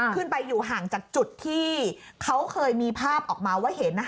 ขึ้นไปอยู่ห่างจากจุดที่เขาเคยมีภาพออกมาว่าเห็น